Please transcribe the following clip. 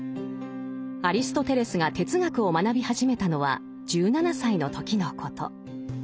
アリストテレスが哲学を学び始めたのは１７歳の時のこと。